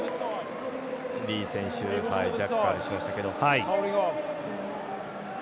リー選手ジャッカルしましたけど。